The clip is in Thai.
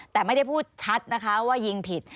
แต่ไม่ได้พูดชัดนะคะว่ายิงผิด